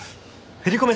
振り込め